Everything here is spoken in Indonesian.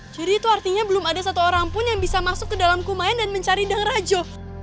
jadi itu artinya belum ada satu orang pun yang bisa masuk ke dalam kumayan dan mencari dang rajo